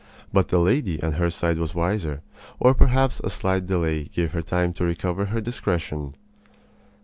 But the lady on her side was wiser; or perhaps a slight delay gave her time to recover her discretion.